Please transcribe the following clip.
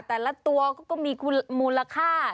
แต่ละตัวก็มีมูลค่า